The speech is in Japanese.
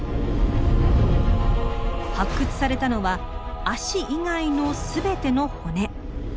発掘されたのは脚以外の全ての骨。